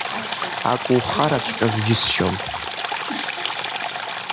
Ак ухараҵәҟьаз џьысшьон!